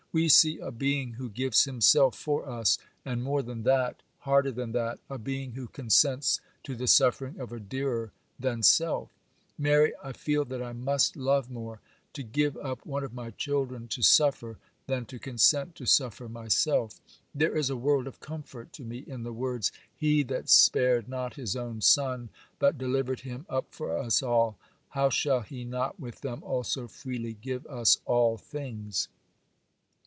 We see a Being who gives himself for us,—and more than that, harder than that, a Being who consents to the suffering of a dearer than self. Mary, I feel that I must love more, to give up one of my children to suffer, than to consent to suffer myself. There is a world of comfort to me in the words, "He that spared not his own Son, but delivered him up for us all, how shall he not with him also freely give us all things?"